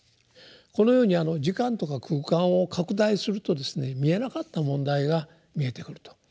このように時間とか空間を拡大するとですね見えなかった問題が見えてくると。